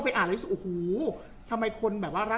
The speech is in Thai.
บุ๋มประดาษดาก็มีคนมาให้กำลังใจเยอะ